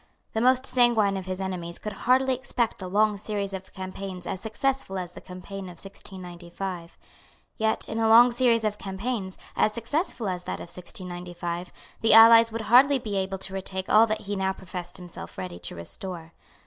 The most sanguine of his enemies could hardly expect a long series of campaigns as successful as the campaign of 1695. Yet in a long series of campaigns, as successful as that of 1695, the allies would hardly be able to retake all that he now professed himself ready to restore.